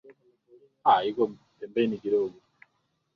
dawa ya kulevya licha ya kuelewa madhara yake hatari